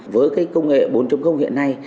với công nghệ bốn hiện nay